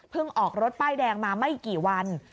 ออกรถป้ายแดงมาไม่กี่วัน